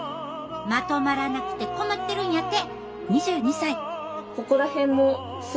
まとまらなくて困ってるんやて。